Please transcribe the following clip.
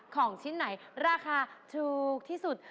ของชิ้นไหนราคาถูกที่สุด